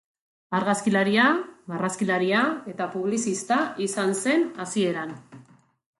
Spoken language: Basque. Argazkilaria, marrazkilaria eta publizista izan zen hasieran.